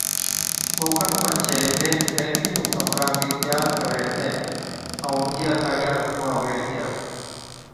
اوکن پڇي ويھِچ ميٿِي نُون سنبراتِي تيار ڪري ھِتين، ائُون ڏُوجيا ساگِيا رسمان ھُوَي ھِتيا